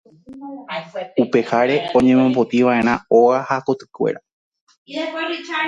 upeháre oñemopotĩva'erã óga ha kotykuéra